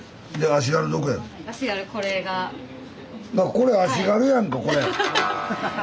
これ足軽やんかこれ。